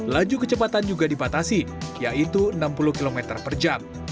laju kecepatan juga dibatasi yaitu enam puluh km per jam